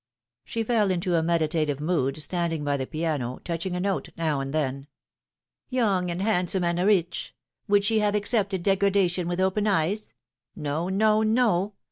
She fell into a meditative mood, standing by the piano, touch ing a note now and then. " Young and handsome and rich. Would she have accepted degradation with open eyes ? No, no, no.